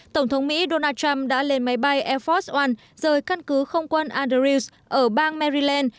tổng thống mỹ donald trump đã lên máy bay air force one rời căn cứ không quân andrews ở bang maryland